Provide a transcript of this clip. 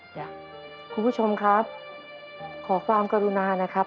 คุณผู้ชมครับขอความกรุณานะครับ